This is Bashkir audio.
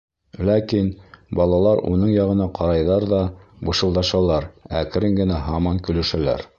Ләкин балалар уның яғына ҡарайҙар ҙа бышылдашалар, әкрен генә һаман көлөшәләр.